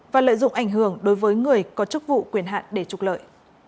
và lợi dụng ảnh hưởng đối với người có chức vụ quyền hạn để trục lợi